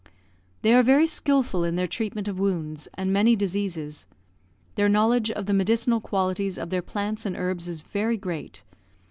They are very skilful in their treatment of wounds, and many diseases. Their knowledge of the medicinal qualities of their plants and herbs is very great.